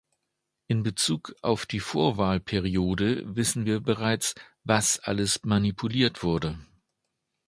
In Bezug auf die Vorwahlperiode wissen wir bereits, was alles manipuliert wurde.